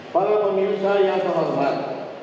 para pemirsa yang terhormat